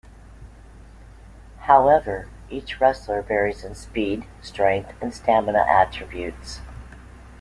However, each wrestler varies in speed, strength, and stamina attributes.